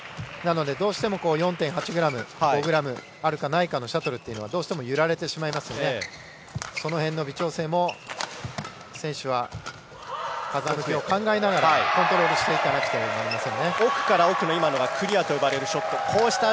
どうしても４．８ｇ、５ｇあるかないかのシャトルが揺られてしまいますのでその辺の微調整を選手は風向きを考えながらコントロールしていかなくてはなりません。